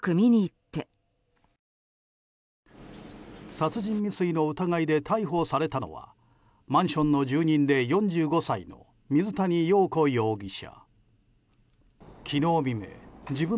殺人未遂の疑いで逮捕されたのはマンションの住人で４５歳の水谷陽子容疑者。